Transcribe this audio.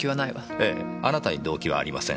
ええあなたに動機はありません。